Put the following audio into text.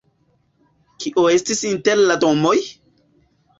Kio estis inter la domoj?